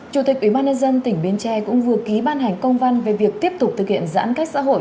chủ tịch ubnd tỉnh bến tre cũng vừa ký ban hành công văn về việc tiếp tục thực hiện giãn cách xã hội